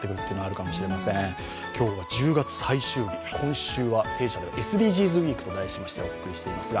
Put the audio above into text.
今日は１０月最終日、今週は弊社、ＳＤＧｓウイークとしてお送りしています。